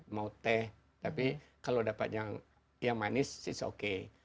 mau teh tapi kalau dapat yang manis it's okay